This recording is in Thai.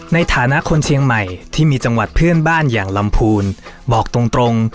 ในฐานะคนเชียงใหม่ที่มีจังหวัดเพื่อนบ้านอย่างลำพูนบอกตรงตรง